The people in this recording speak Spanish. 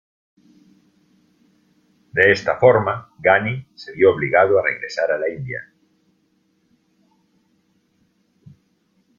De esta forma, Ghani se vio obligado a regresar a la India.